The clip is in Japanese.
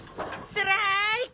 ストライク！